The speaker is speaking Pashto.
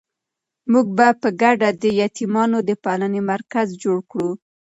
موږ به په ګډه د یتیمانو د پالنې مرکز جوړ کړو.